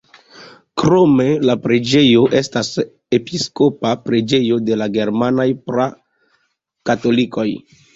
Krome la preĝejo estas episkopa preĝejo de la germanaj pra-katolikoj.